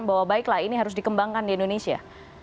bahwa baiklah ini harus dikembangkan di indonesia